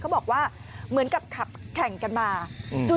บอกว่าเหมือนกับขับแข่งกันมาดู